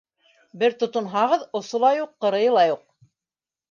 Бер тотонһағыҙ, осо ла юҡ, ҡырыйы ла юҡ.